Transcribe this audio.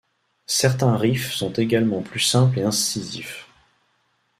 Certains riffs sont également plus simples et incisifs.